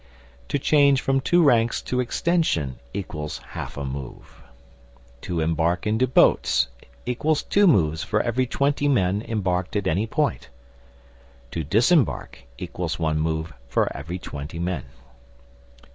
To change from two ranks to extension = half a move. To embark into boats = two moves for every twenty men embarked at any point. To disembark = one move for every twenty men.